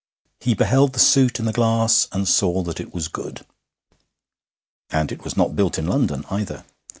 He beheld the suit in the glass, and saw that it was good. And it was not built in London, either.